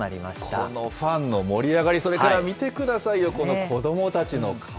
このファンの盛り上がり、それから見てくださいよ、この子どもたちの顔。